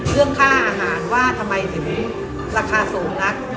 เรื่องค่าอาหารว่าทำไมถึงราคาสูงนัก